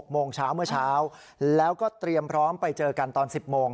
โมงเช้าเมื่อเช้าแล้วก็เตรียมพร้อมไปเจอกันตอน๑๐โมง